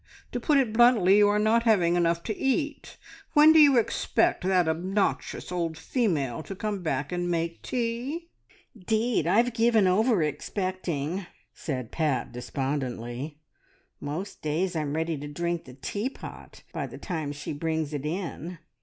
To put it bluntly, you are not having enough to eat. When do you expect that obnoxious old female to come back and make tea?" "'Deed, I've given over expecting," said Pat despondently. "Most days I'm ready to drink the teapot by the time she brings it in.